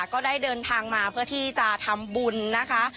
ก็ได้เดินทางมาเพื่อที่จะทำบุญนะคะ